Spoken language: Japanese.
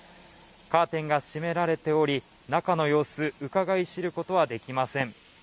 カーテンが閉められており中の様子、うかがい知ることはできません。